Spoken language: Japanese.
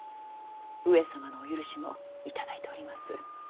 上様のお許しも頂いております。